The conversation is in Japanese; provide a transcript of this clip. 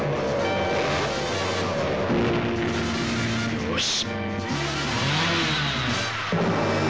よし！